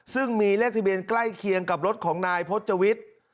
ซึ่งมีเลขทะเบียนใกล้เคียงกับรถของนายพจวิทย์